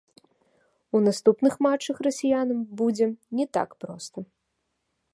У наступных матчах расіянам будзе не так проста.